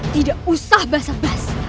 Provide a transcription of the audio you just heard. tidak usah bas bas